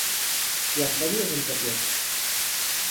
I el heavy es anterior.